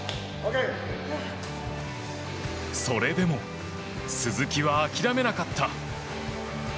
それでも鈴木は諦めなかった。